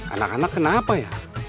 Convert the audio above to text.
anak anak kenapa ya